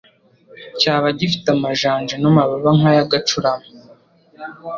cyaba gifite amajanja n’amababa nk’ay’agacurama.